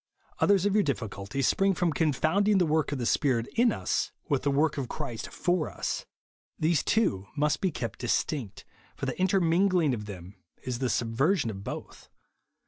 Others of youi difficulties spring from con founding tlie work of the Spirit in us with the work of Christ for us. These two must be kept distinct ; for the intermingling of them is the subversion of both.